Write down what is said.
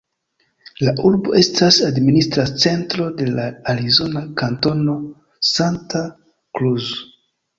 La urbo estas la administra centro de la arizona kantono "Santa Cruz".